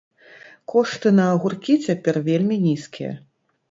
Кошты на агуркі цяпер вельмі нізкія.